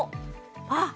あっ！